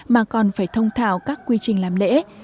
mà còn phải thông thảo các quy trình làm lễ